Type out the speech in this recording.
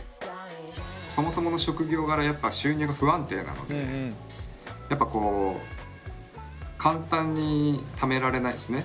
そもそもの職業柄やっぱ収入が不安定なのでやっぱこう簡単にためられないですね。